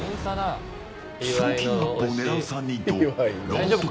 賞金アップを狙う３人とロボット犬